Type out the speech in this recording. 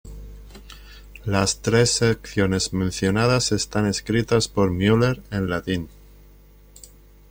Las tres secciones mencionadas están escritas por Müller en latín.